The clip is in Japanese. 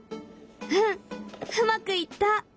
うんうまくいった！